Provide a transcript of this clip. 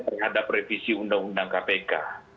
terhadap revisi undang undang kpk